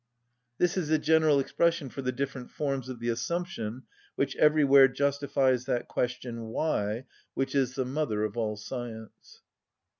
_ This is the general expression for the different forms of the assumption which everywhere justifies that question "Why?" which is the mother of all science.